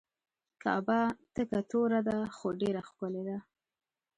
کعبه تکه توره ده خو ډیره ښکلې ده.